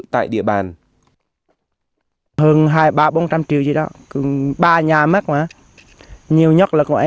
tại địa bàn